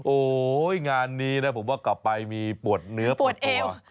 โอ้โหงานนี้นะผมว่ากลับไปมีปวดเนื้อปวดตัว